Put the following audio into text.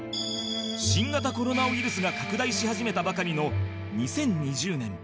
新型コロナウイルスが拡大し始めたばかりの２０２０年